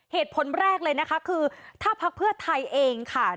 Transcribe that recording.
เหตุผลแรกเลยนะคะคือถ้าพักเพื่อไทยเองค่ะ